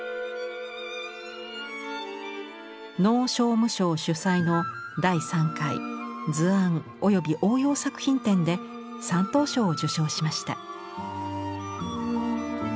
農商務省主催の第３回図案及応用作品展で３等賞を受賞しました。